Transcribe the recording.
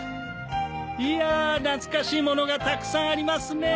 いやなつかしいものがたくさんありますねえ。